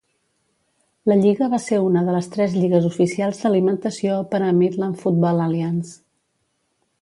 La lliga va ser una de les tres lligues oficials d'alimentació per a Midland Football Alliance.